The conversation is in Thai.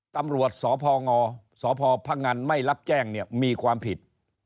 ตำรวจสพงสพพงันไม่รับแจ้งเนี่ยมีความผิด